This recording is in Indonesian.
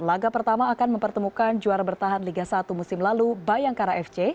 laga pertama akan mempertemukan juara bertahan liga satu musim lalu bayangkara fc